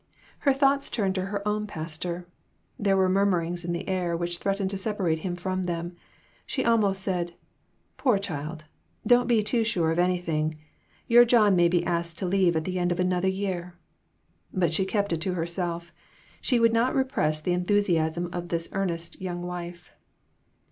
Her thoughts turned to her own pastor. There were murmurings in the air which threatened to separate him from them. She almost said "Poor child! Don't be too sure of anything. Your John may be asked to leave at the end of another year." But she kept it to her self. She would not repress the enthusiasm of this earnest young wife.